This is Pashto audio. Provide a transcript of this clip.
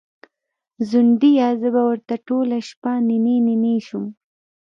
ځونډیه! زه به ورته ټوله شپه نینې نینې شوم